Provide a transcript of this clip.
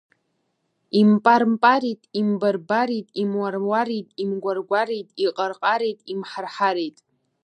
Импар-парит, имбар-барит, имуар-уарит, имгәар-гәарит, иҟар-ҟарит, имҳар-ҳарит…